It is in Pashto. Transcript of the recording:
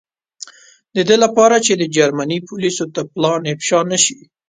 د دې له پاره چې د جرمني پولیسو ته پلان افشا نه شي.